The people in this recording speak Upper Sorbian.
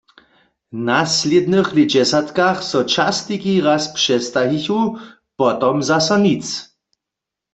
W naslědnych lětdźesatkach so časniki raz přestajichu, potom zaso nic.